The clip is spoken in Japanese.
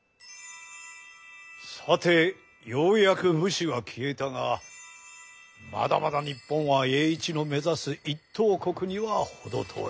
さてようやく武士は消えたがまだまだ日本は栄一の目指す一等国には程遠い。